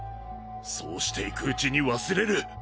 そうしていくうちに忘れる。